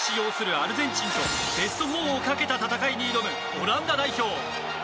アルゼンチンとベスト４をかけた戦いに挑むオランダ代表。